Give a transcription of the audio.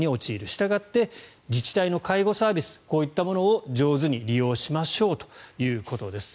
したがって自治体の介護サービスこういったものを上手に利用しましょうということです。